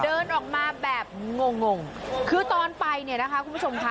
เดินออกมาแบบงงงคือตอนไปเนี่ยนะคะคุณผู้ชมค่ะ